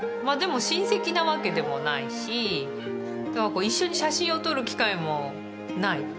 まあでも親戚なわけでもないし一緒に写真を撮る機会もない。